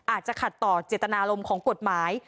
อาจจะขัดต่อเจตนารมณ์ของกฎหมาย